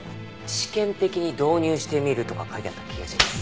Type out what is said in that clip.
試験的に導入してみるとか書いてあった気がします。